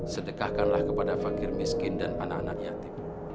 sedekahkanlah kepada fakir miskin dan anak anak yatim